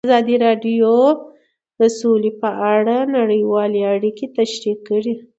ازادي راډیو د سوله په اړه نړیوالې اړیکې تشریح کړي.